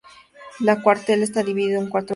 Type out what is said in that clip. Cada cuartel está divido en cuatro grupos.